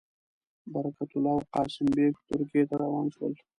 برکت الله او قاسم بېګ ترکیې ته روان شول.